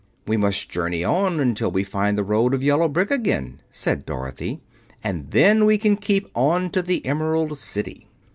"We must journey on until we find the road of yellow brick again," said Dorothy, "and then we can keep on to the Emerald City."